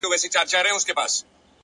صبر د هیلو اوږد ساتونکی دی؛